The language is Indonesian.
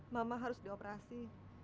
mama harus dioperasi